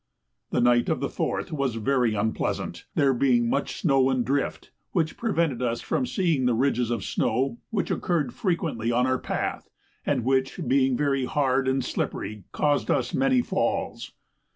The night of the 4th was very unpleasant, there being much snow and drift, which prevented us from seeing the ridges of snow which occurred frequently on our path, and which being very hard and slippery, caused us many falls.